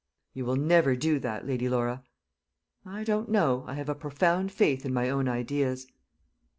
"You will never do that, Lady Laura." "I don't know. I have a profound faith in my own ideas."